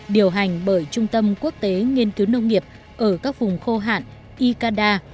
điều hành bởi trung tâm quốc tế nghiên cứu nông nghiệp ở các vùng khô hạn icada